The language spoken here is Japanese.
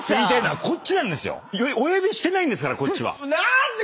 お呼びしてないんですからこっちは。